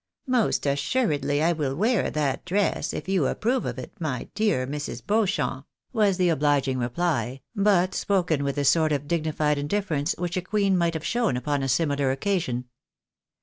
" Most assuredly I will wear that dress, if you approve of it, my dear Mrs. Beauchamp," was the obliging reply, but spoken with, the sort of dignified indifference which a queen might have shown upon a similar occasion.